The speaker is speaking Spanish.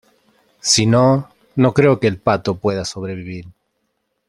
si no, no creo que el pato pueda sobrevivir